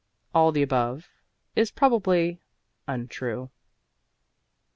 All the above is probably untrue.